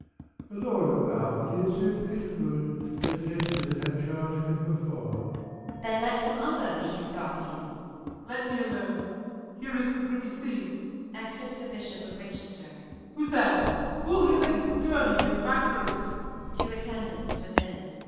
The Lord of Berkeley is so pitiful As Leicester that had charge of him before. Q. Isab. Then let some other be his guardian. Y. Mor. Let me alone; here is the privy seal, [Exit the Bish. of Win. Who's there? Call hither, Gurney and Matrevis. [_To Attendants within.